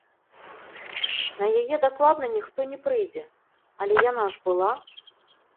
На яе дакладна ніхто не прыйдзе, але яна ж была!